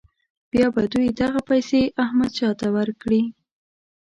بیا به دوی دغه پیسې احمدشاه ته ورکړي.